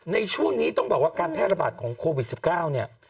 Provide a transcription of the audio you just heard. ในช่วงนี้ต้องบอกว่าการแพร่ระบาดของโควิด๑๙เนี่ย